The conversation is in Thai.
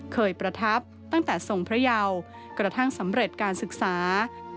ประทับตั้งแต่ทรงพระเยากระทั่งสำเร็จการศึกษา